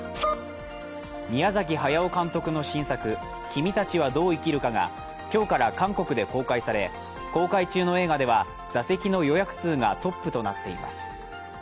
宮崎監督の新作「君たちはどう生きるか」が今日から韓国で公開され、公開中の映画では座席の予約数がトップとなっています。